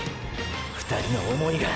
２人の想いが。